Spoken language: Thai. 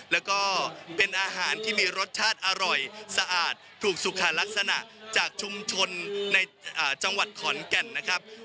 แล้วก็เป็นอาหารที่มีรสชาติอร่อยสะอาดถูกสุขาลักษณะจากชุมชนในจังหวัดขอนแก่นนะครับ